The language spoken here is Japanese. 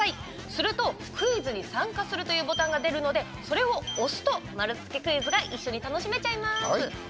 すると、クイズに参加するというボタンが出るのでそれを押すと丸つけクイズが一緒に楽しめちゃいます。